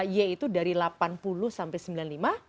y itu dari delapan puluh sampai sembilan puluh lima